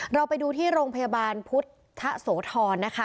เราไปดูที่โรงพยาบาลพุทธโสธรนะคะ